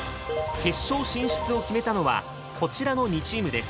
決勝進出を決めたのはこちらの２チームです。